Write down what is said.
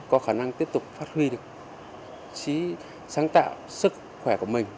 có khả năng tiếp tục phát huy được sáng tạo sức khỏe của mình